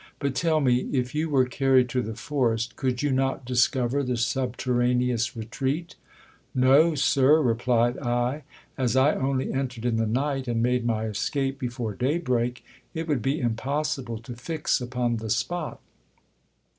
But, tell me, if you were carried to. the forest, could you not discover the subterraneous retreat ? No, sir, replied I : as I only entered in the night, and made my escape before day break, it would be impossible to fix upon the spot.